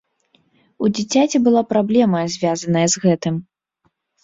У дзіцяці была праблема, звязаная з гэтым.